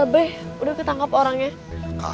beb udah ketangkap orangnya